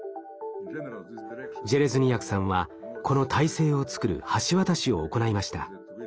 ジェレズニヤクさんはこの体制を作る橋渡しを行いました。